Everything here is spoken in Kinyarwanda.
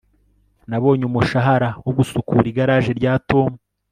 nabonye umushahara wo gusukura igaraje rya tom